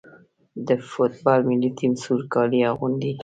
د فوټبال ملي ټیم سور کالي اغوندي.